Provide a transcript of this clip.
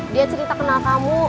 dia cerita kenal kamu